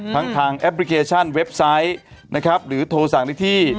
ทางทางแอปพลิเคชันเว็บไซต์นะครับหรือโทรสั่งได้ที่